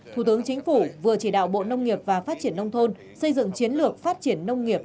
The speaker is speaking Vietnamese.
thủ tướng chính phủ vừa chỉ đạo bộ nông nghiệp và phát triển nông thôn xây dựng chiến lược phát triển nông nghiệp